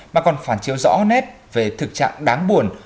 mà còn phản chiếu rõ nét về thực trạng đáng buồn